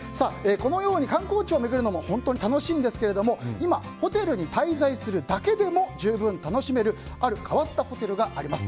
このように観光地を巡るのも本当に楽しいんですが今、ホテルに滞在するだけでも十分楽しめるある変わったホテルがあります。